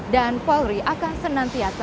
dan polri akan senantiasa menjunjungi kembali ke dunia